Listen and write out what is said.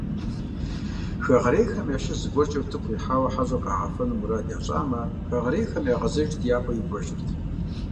Хэгъэрейхэм ящыщ зыгуэркӀэ утыку къихьауэ хьэщӀэр къагъэфэну мурад ящӀамэ, хэгъэрейхэм игъэзэжырти, и пӀэ иувэжырт.